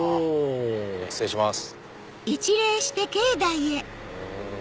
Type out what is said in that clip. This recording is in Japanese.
失礼します。